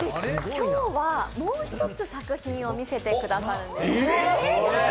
今日はもう一つ作品を見せてくださるんです。